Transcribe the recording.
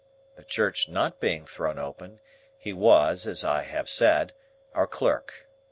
The Church not being "thrown open," he was, as I have said, our clerk.